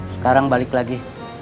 sekarang balik lagi